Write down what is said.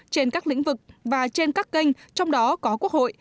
trên các lĩnh vực và trên các kênh trong đó có quốc hội